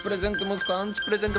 息子アンチプレゼント